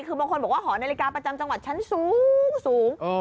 คือบางคนบอกว่าหอนาฬิกาประจำจังหวัดชั้นสูง